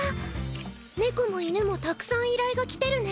猫も犬もたくさん依頼が来てるね。